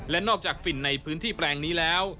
และนอกจากฝิ่นในพื้นที่แปลงนี้แล้ว